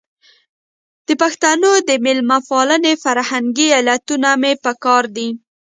د پښتنو د مېلمه پالنې فرهنګي علتونه مې په کار دي.